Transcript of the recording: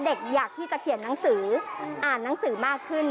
อยากที่จะเขียนหนังสืออ่านหนังสือมากขึ้น